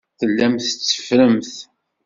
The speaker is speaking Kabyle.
Tellamt tetteffremt.